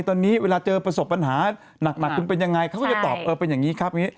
ตอนนี้เวลาเจอประสบปัญหาหนักคุณเป็นยังไงเขาก็จะตอบเออเป็นอย่างนี้ครับอย่างนี้